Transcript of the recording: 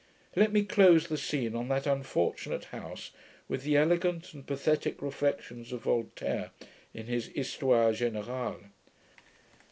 Let me close the scene on that unfortunate House with the elegant and pathetick reflections of Voltaire, in his Histoire Generale.